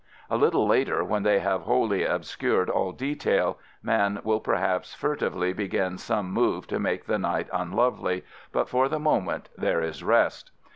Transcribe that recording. A little later, when they have wholly obscured all de tail, man will perhaps furtively begin some move to make the night unlovely — but for the moment there is rest.